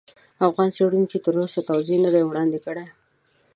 افغان څېړونکو تر اوسه توضیح نه دي وړاندې کړي.